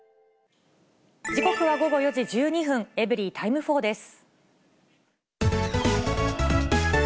時刻は午後４時１２分、エブリィタイム４です。